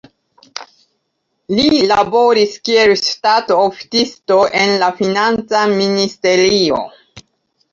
Li laboris kiel ŝtatoficisto en la financa ministerio.